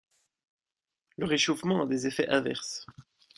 Le réchauffement a des effets inverses.